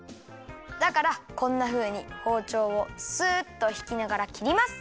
だからこんなふうにほうちょうをスッとひきながらきります！